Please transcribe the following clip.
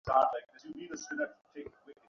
মানে, আমার ফিগার নষ্ট হবে না তো?